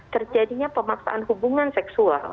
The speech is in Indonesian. terjadinya pemaksaan hubungan seksual